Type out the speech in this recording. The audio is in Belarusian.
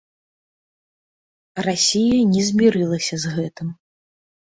Расія не змірылася з гэтым.